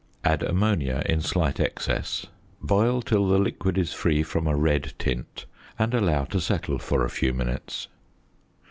Add ammonia in slight excess, boil till the liquid is free from a red tint, and allow to settle for a few minutes.